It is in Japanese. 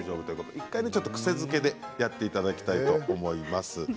１回、癖づけてやっていただきたいと思います。